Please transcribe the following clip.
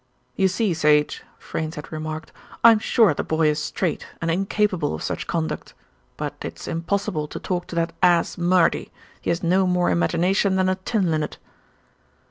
"You see, Sage," Freynes had remarked, "I'm sure the boy is straight and incapable of such conduct; but it's impossible to talk to that ass Murdy. He has no more imagination than a tin linnet."